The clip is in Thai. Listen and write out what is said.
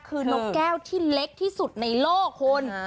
คือนกแก้วที่เล็กที่สุดในโลกคุณ